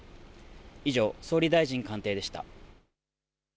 以上総理大臣官邸でした。